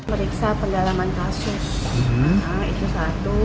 meriksa pendalaman kasus itu satu